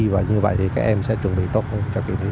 và như vậy thì các em sẽ chuẩn bị tốt hơn